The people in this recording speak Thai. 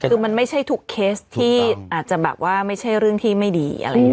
คือมันไม่ใช่ทุกเคสที่อาจจะแบบว่าไม่ใช่เรื่องที่ไม่ดีอะไรอย่างนี้